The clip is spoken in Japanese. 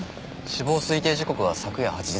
死亡推定時刻は昨夜８時前後。